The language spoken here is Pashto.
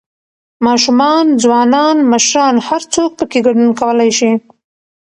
، ماشومان، ځوانان، مشران هر څوک پکې ګډون کولى شي